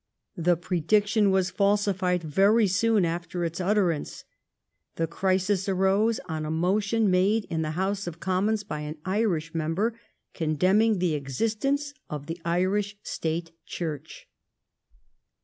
The prediction was falsified very soon after its utterance. The crisis arose on a motion made in the House of Commons by an Irish member condemning the existence of the Irish State Church.